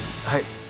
はい。